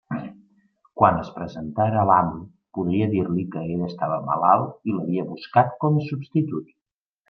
Quan es presentara l'amo, podia dir-li que ell estava malalt i l'havia buscat com a substitut.